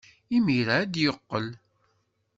Imir-a ad d-yeqqel.